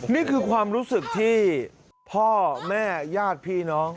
นี่คือความรู้สึกที่พ่อแม่ญาติพี่น้อง